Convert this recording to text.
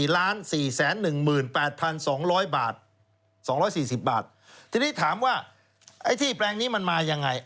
๔๔๑๘๒๐๐บาท๒๔๐บาททีนี้ถามว่าไอ้ที่แปลงนี้มันมายังไง